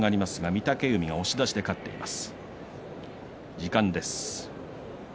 御嶽海が押し出しで勝っています。